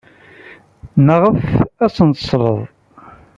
Maɣef ay asen-tesliḍ?